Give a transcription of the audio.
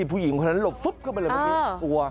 ผู้หญิงคนนั้นหลบซุบเข้ามาเลยมันมีกลัว